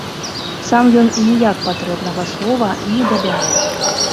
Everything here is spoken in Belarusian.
Сам ён ніяк патрэбнага слова не дабярэ.